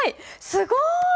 すごい。